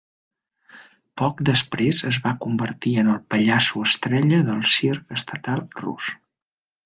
Poc després es va convertir en el pallasso estrella del Circ Estatal Rus.